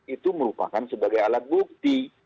itu merupakan sebagai alat bukti